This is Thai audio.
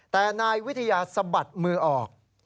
แต่นายวิทยาสะบัดมือออก